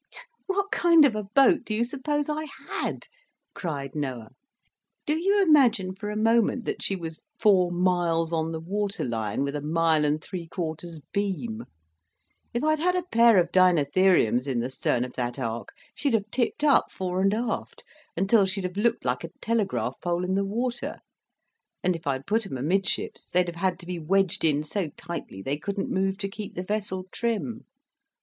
"What kind of a boat do you suppose I had?" cried Noah. "Do you imagine for a moment that she was four miles on the water line, with a mile and three quarters beam? If I'd had a pair of Dinotheriums in the stern of that Ark, she'd have tipped up fore and aft, until she'd have looked like a telegraph pole in the water, and if I'd put 'em amidships they'd have had to be wedged in so tightly they couldn't move to keep the vessel trim.